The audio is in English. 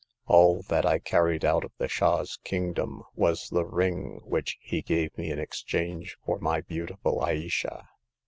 All that I carried out of the Shah's kingdom was the ring which he gave me in exchange for my beauti ful Ayesha."